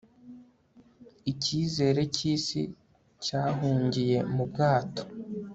icyizere cy'isi cyahungiye mu bwato